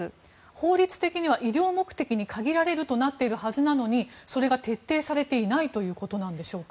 法律的には医療目的に限られるとなっているはずなのにそれが徹底されていないということでしょうか。